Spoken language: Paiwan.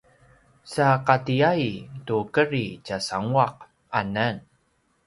sa qatiyai tu kedri tjasanguaq anan